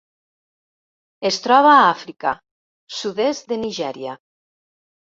Es troba a Àfrica: sud-est de Nigèria.